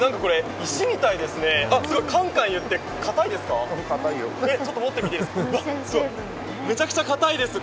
石みたいですね、カンカンいって、堅いですか？